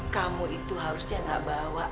kamu itu harusnya gak bawa